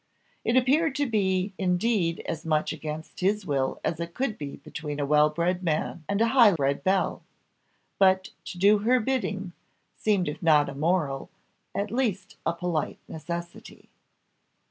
It appeared to be indeed as much against his will as it could be between a well bred man and a high bred belle; but to do her bidding, seemed if not a moral, at least a polite necessity.